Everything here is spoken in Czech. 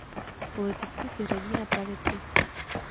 Politicky se řadí na pravici.